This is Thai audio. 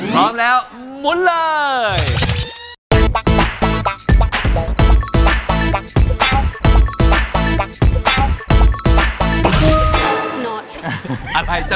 ต้องแพร่กระป่วนเลยนะครับ